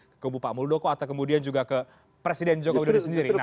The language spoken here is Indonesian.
ke kubu pak muldoko atau kemudian juga ke presiden joko widodo sendiri